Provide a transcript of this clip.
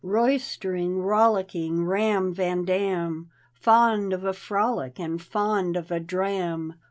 Roystering, rollicking Ram van Dam, Fond of a frolic and fond of a dram.